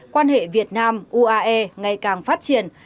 quan hệ việt nam uae ngày càng phát triển